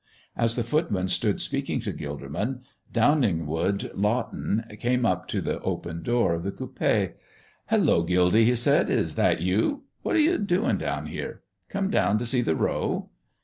As the footman stood speaking to Gilderman, Downingwood Lawton came up to the open door of the coupé. "Hello, Gildy!" he said, "is that you? What are you doing down here? Come down to see the row?"